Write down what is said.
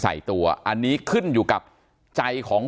การแก้เคล็ดบางอย่างแค่นั้นเอง